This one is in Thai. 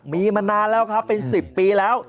มีมานานแล้วครับเป็น๑๐ปีแล้ว